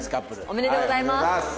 おめでとうございます。